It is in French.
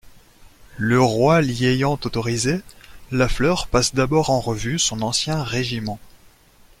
Le roi l'y ayant autorisé, La Fleur passe d'abord en revue son ancien régiment.